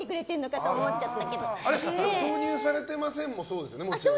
挿入されてませんもそうですよね。